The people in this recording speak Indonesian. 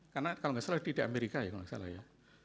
karena kalau enggak salah di amerika ya kalau enggak salah ya